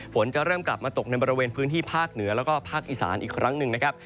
ฝนจะเริ่มกลับมาตกในบริเวณพื้นที่ภาคเหนือแล้วก็ภาคอีสานอีกครั้งหนึ่งนะครับ